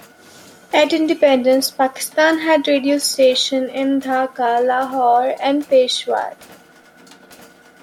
At independence, Pakistan had radio stations in Dhaka, Lahore, and Peshawar.